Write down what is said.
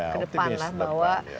ke depan lah bahwa